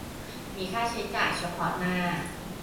มีค่าใช้จ่ายเฉพาะหน้า